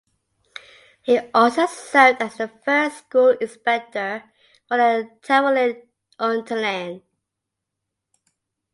He also served as the first school inspector for the Tyrolean Unterland.